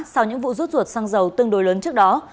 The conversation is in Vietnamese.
sau những vụ rút ruột xăng dầu tương đối lớn trước đó